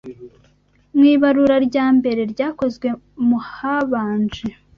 Mu ibarura rya mbere ryakozwe mu habanje